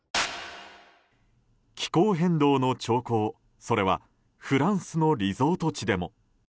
気候変動の兆候、それはフランスのリゾート地でも。